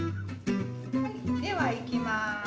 ではいきます。